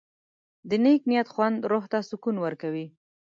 د نیک نیت خوند روح ته سکون ورکوي.